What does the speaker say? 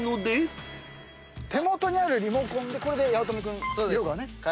手元にあるリモコンでこれで八乙女君色がね。